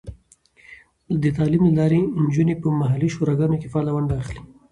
د تعلیم له لارې، نجونې په محلي شوراګانو کې فعاله ونډه اخلي.